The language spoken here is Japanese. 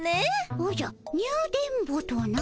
おじゃニュ電ボとな？